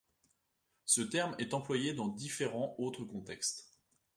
Ce terme est employé dans différents autres contextes.